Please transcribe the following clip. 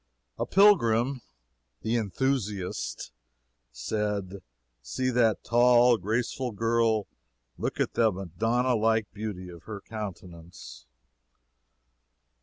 A pilgrim the "Enthusiast" said: "See that tall, graceful girl! look at the Madonna like beauty of her countenance!"